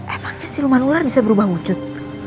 efeknya siluman ular bisa berubah wujud